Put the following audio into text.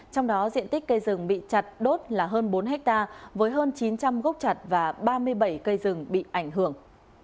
trong đó diện tích cây rừng bị chặt đốt là hơn bốn hectare với hơn chín trăm linh gốc chặt và ba mươi bảy cây rừng bị ảnh hưởng